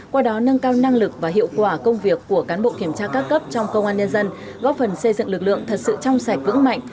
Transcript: qua đó nâng cao năng lực và hiệu quả công việc của cán bộ kiểm tra các cấp trong công an nhân dân góp phần xây dựng lực lượng thật sự trong sạch vững mạnh